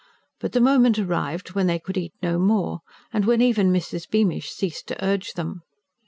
But the moment arrived when they could eat no more, and when even Mrs. Beamish ceased to urge them.